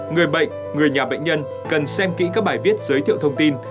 người bệnh người nhà bệnh nhân cần xem kỹ các bài viết giới thiệu thông tin